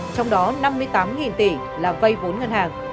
trong đó năm mươi tám tỷ là vay vốn ngân hàng